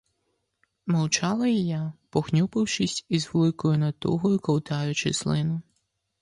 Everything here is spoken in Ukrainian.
Мовчала і я, похнюпившись і з великою натугою ковтаючи слину.